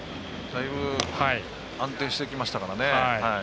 だいぶ安定してきましたからね。